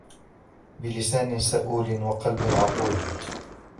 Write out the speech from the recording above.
بِلِسَانٍ سَئُولٍ وَقَلْبٍ عُقُولٍ